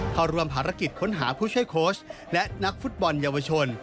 เข้าร่วมภารกิจค้นหาผู้ช่วยโค้ชและนักฟุตบอลเยาวชน